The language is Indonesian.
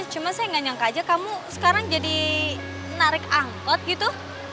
cuma saya nggak nyangka aja kamu sekarang jadi narik angkot gitu